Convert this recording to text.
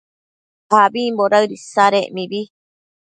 abimbo daëd isadec mibi